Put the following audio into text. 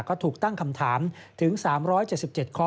ก็ถูกตั้งคำถามถึง๓๗๗ข้อ